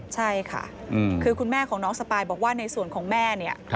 ใช่ค่ะคือคุณแม่ของน้องสปายบอกว่าในส่วนของแม่เนี่ย